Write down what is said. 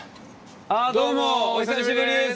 あどうもお久しぶりです。